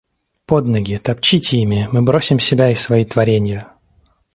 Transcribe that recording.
Под ноги — топчите ими — мы бросим себя и свои творенья.